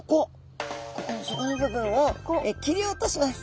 ここの底の部分を切り落とします。